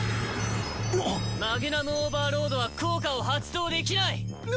マグナム・オーバーロードは効果を発動できない！